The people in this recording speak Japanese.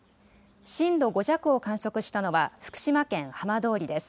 震度５弱を観測したのは福島県浜通りです。